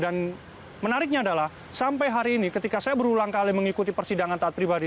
dan menariknya adalah sampai hari ini ketika saya berulang kali mengikuti persidangan taat pribadi